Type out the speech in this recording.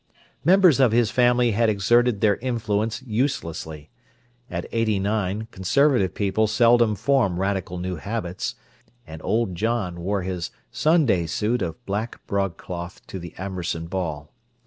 Members of his family had exerted their influence uselessly—at eighty nine conservative people seldom form radical new habits, and old John wore his "Sunday suit" of black broadcloth to the Amberson ball.